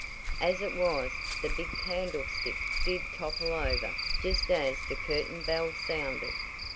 As it was, the big candlestick did topple over just as the curtain bell sounded.